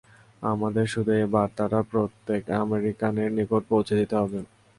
আমাদেরকে শুধু এই বার্তাটা প্রত্যেক আমেরিকানের নিকট পৌঁছে দিতে হবে।